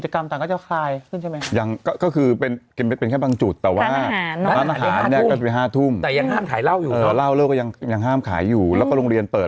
คำถามคือพักบ้าคาราโอเกะเขาบอกคาราโอเกะเปิด